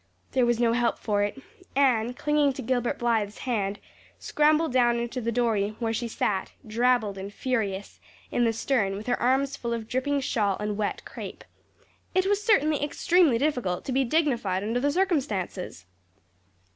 There was no help for it; Anne, clinging to Gilbert Blythe's hand, scrambled down into the dory, where she sat, drabbled and furious, in the stern with her arms full of dripping shawl and wet crepe. It was certainly extremely difficult to be dignified under the circumstances!